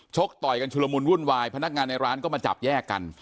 ต่อยกันชุลมุนวุ่นวายพนักงานในร้านก็มาจับแยกกัน